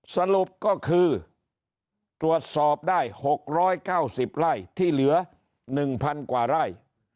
สรุปก็คือตรวจสอบได้๖๙๐ไร่ที่เหลือ๑๐๐๐กว่าไร่